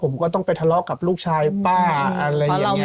ผมก็ต้องไปทะเลาะกับลูกชายป้าอะไรอย่างนี้